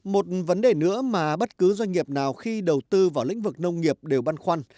một vấn đề nữa mà bất cứ doanh nghiệp nào khi đầu tư vào lĩnh vực nông nghiệp đều băn khoăn